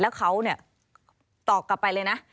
แล้วเขาตอกกลับไปเลยนะ